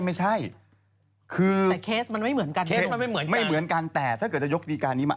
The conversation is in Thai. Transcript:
เป็นการถูกหวยที่เป็นทุกข์ที่สุดเลยนะ